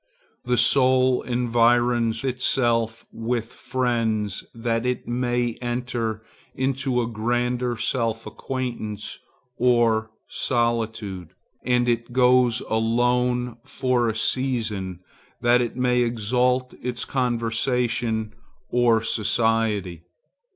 The soul environs itself with friends that it may enter into a grander self acquaintance or solitude; and it goes alone for a season, that it may exalt its conversation or society.